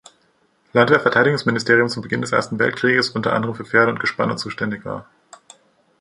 Landwehr-Verteidigungsministerium zu Beginn des Ersten Weltkrieges unter anderem für Pferde und Gespanne zuständig war.